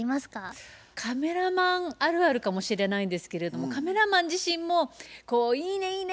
カメラマンあるあるかもしれないんですけれどもカメラマン自身もこう「いいねいいね！